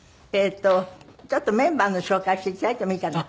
ちょっとメンバーの紹介して頂いてもいいかな？